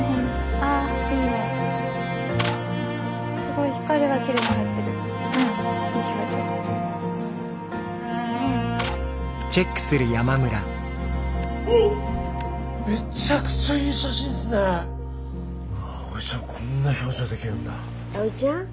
あおいちゃん。